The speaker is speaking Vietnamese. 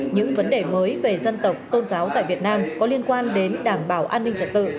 những vấn đề mới về dân tộc tôn giáo tại việt nam có liên quan đến đảm bảo an ninh trật tự